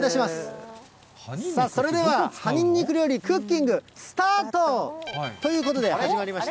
それでは葉ニンニク料理、クッキングスタート。ということで、始まりました。